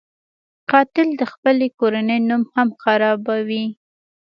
قاتل د خپلې کورنۍ نوم هم خرابوي